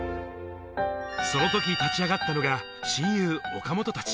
その時、立ち上がったのが親友・岡本たち。